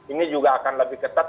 ini juga akan lebih ketat